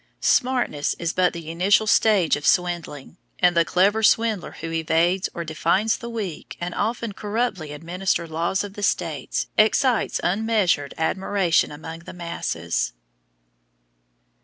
Smartness is but the initial stage of swindling, and the clever swindler who evades or defines the weak and often corruptly administered laws of the States excites unmeasured admiration among the masses.